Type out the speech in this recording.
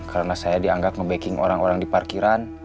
karena saya dianggap ngebacking orang orang di parkiran